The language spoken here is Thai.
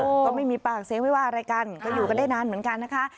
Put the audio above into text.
ก็ไม่มีปากเสียงไม่ว่าอะไรกันก็อยู่กันได้นานเหมือนกันนะคะ